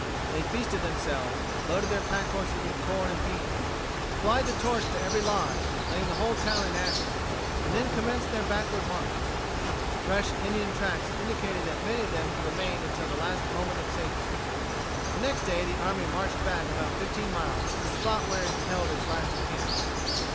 They feasted themselves, loaded their pack horses with corn and beans, applied the torch to every lodge, laying the whole town in ashes, and then commenced their backward march. Fresh Indian tracks indicated that many of them had remained until the last moment of safety. The next day the army marched back about fifteen miles to the spot where it had held its last encampment.